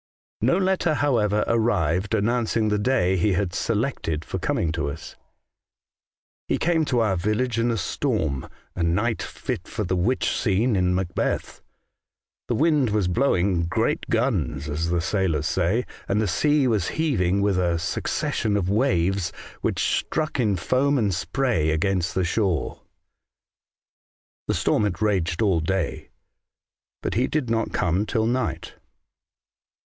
No letter, however, arrived announcing the day he had selected for coming to us. " He came to our village in a storm — a night fit for the witch scene in Macbeth. The wind was blowing 'great guns,' as the sailors say, and the sea was heaving with a succession of waves which struck in foam and spray against the shore. The storm had 44 A Voyage to Other Worlds, raged all day ; but lie did not come till night.